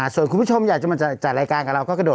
ส่วนคุณผู้ชมที่อยากจะมาจัดรายการกับเราก็